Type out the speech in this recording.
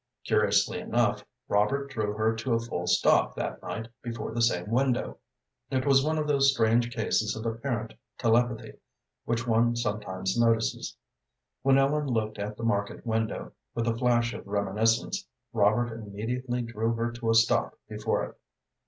Curiously enough, Robert drew her to a full stop that night before the same window. It was one of those strange cases of apparent telepathy which one sometimes notices. When Ellen looked at the market window, with a flash of reminiscence, Robert immediately drew her to a stop before it.